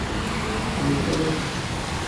তুমিও কি দলে আছো?